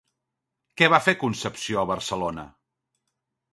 Què va fer Concepció a Barcelona?